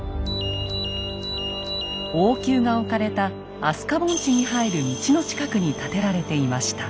王宮が置かれた飛鳥盆地に入る道の近くに建てられていました。